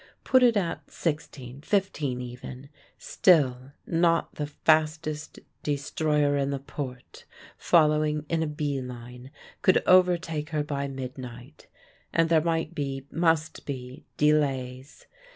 Put it at sixteen, fifteen even; still not the fastest destroyer in the port following in a bee line could overtake her by midnight. And there might be, must be, delays.